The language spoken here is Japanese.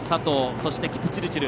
そして、キプチルチル。